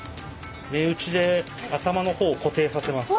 目打ちで頭の方を固定させます。